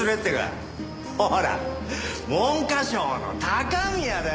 ほら文科省の高宮だよ！